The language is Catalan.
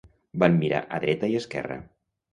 Van mirar a dreta i esquerra.